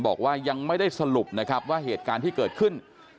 บอกว่ายังไม่ได้สรุปนะครับว่าเหตุการณ์ที่เกิดขึ้น